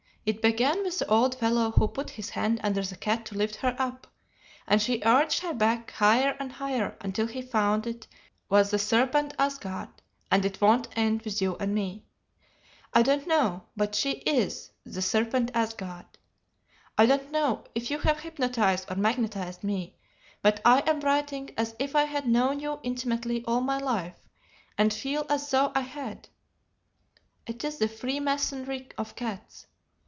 It began with the old fellow who put his hand under the cat to lift her up, and she arched her back higher and higher until he found it was the serpent Asgard, and it won't end with you and me. I don't know but she is the serpent Asgard. I don't know if you have hypnotized or magnetized me, but I am writing as if I had known you intimately all my life, and feel as though I had. It is the freemasonry of cats.